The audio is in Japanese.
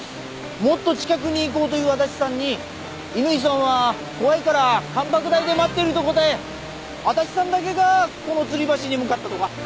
もっと近くに行こうと言う足立さんに乾さんは怖いから観瀑台で待ってると答え足立さんだけがこの吊り橋に向かったとか。